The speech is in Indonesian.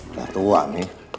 udah tua nih